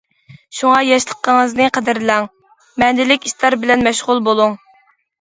شۇڭا ياشلىقىڭىزنى قەدىرلەڭ، مەنىلىك ئىشلار بىلەن مەشغۇل بولۇڭ.